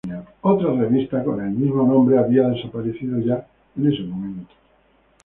Otra revista con el mismo nombre había desaparecido ya en ese momento.